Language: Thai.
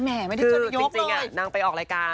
ไม่ที่รัฐยกเลยจริงอะงานไปออกรายการ